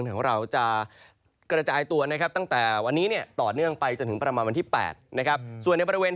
นะครับอาจจะแค่ปล่อยปล่อยนะครับ